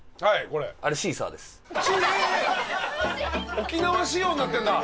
沖縄仕様になってんだ。